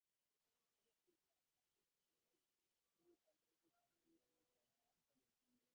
Today Sigma Alpha Epsilon is governed by Fraternity Conventions which are held biennially.